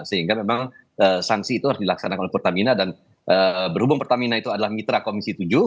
sehingga memang sanksi itu harus dilaksanakan oleh pertamina dan berhubung pertamina itu adalah mitra komisi tujuh